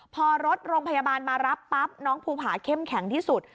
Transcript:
พอรถโรงพยาบาลมารับปั๊บน้องภูผาเข้มแข็งที่สุด